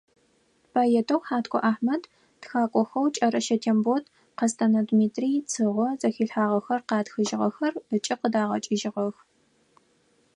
Поэтэу Хьаткъо Ахьмэд, тхакӀохэу КӀэрэщэ Тембот, Кэстэнэ Дмитрий Цыгъо зэхилъхьагъэхэр къатхыжьыгъэх ыкӀи къыдагъэкӀыгъэх.